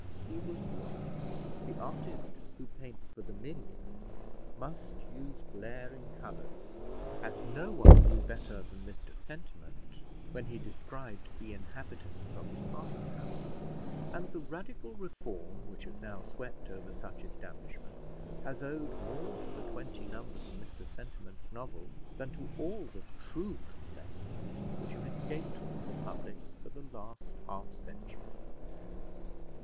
He was wrong. The artist who paints for the million must use glaring colours, as no one knew better than Mr Sentiment when he described the inhabitants of his almshouse; and the radical reform which has now swept over such establishments has owed more to the twenty numbers of Mr Sentiment's novel, than to all the true complaints which have escaped from the public for the last half century.